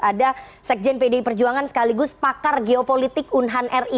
ada sekjen pdi perjuangan sekaligus pakar geopolitik unhan ri